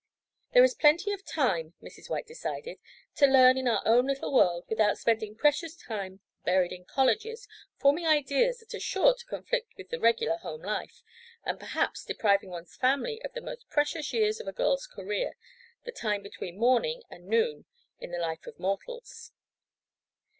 There is plenty of time Mrs. White decided to learn in our own little world without spending precious time buried in colleges, forming ideas that are sure to conflict with the regular home life, and perhaps, depriving one's family of the most precious years of a girl's career—the time between morning and noon in the life of mortals.